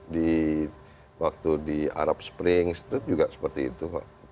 di waktu di arab springs itu juga seperti itu kok